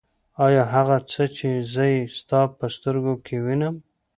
آيا هغه څه چې زه يې ستا په سترګو کې وينم.